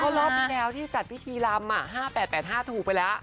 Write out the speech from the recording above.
ก็รอบแกวที่จัดพิธีลำ๕๘๘๕ถูกไปแล้ว